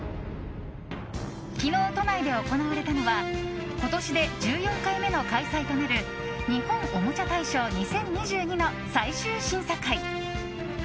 昨日、都内で行われたのは今年で１４回目の開催となる日本おもちゃ大賞２０２２の最終審査会。